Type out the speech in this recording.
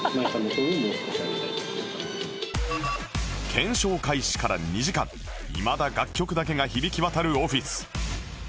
検証開始から２時間いまだ楽曲だけが響き渡るオフィス